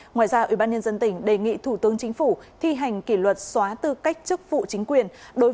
ngoài ra ủy ban nhân dân tỉnh đề nghị thủ tướng chính phủ thi hành kỷ luật xóa tư cách chức vụ chính quyền